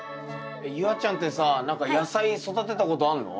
夕空ちゃんてさ何か野菜育てたことあんの？